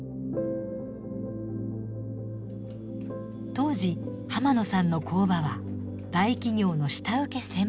当時浜野さんの工場は大企業の下請け専門。